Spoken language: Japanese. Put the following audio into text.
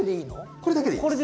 これだけでいいです。